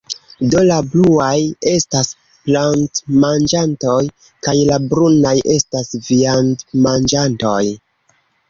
Do, la bluaj estas plantmanĝantoj, kaj la brunaj estas viandmanĝantoj.